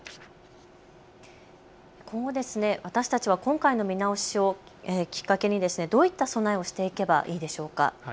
今後、私たちは今回の見直しをきっかけにどういった備えをしていけばいいのでしょうか。